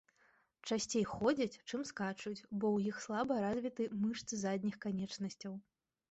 Часцей ходзяць, чым скачуць, бо у іх слаба развіты мышцы задніх канечнасцяў.